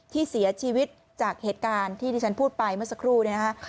ที่เสียชีวิตจากเหตุการณ์ที่ที่ฉันพูดไปเมื่อสักครู่เนี่ยนะคะ